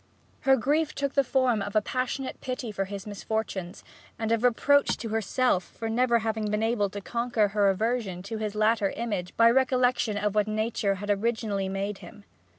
Her grief took the form of passionate pity for his misfortunes, and of reproach to herself for never having been able to conquer her aversion to his latter image by recollection of what Nature had originally made him.